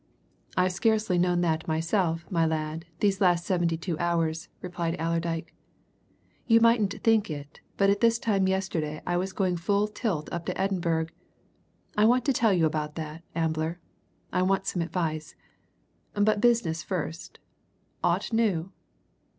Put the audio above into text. "I've scarcely known that myself, my lad, these last seventy two hours," replied Allerdyke. "You mightn't think it, but at this time yesterday I was going full tilt up to Edinburgh. I want to tell you about that, Ambler I want some advice. But business first aught new?"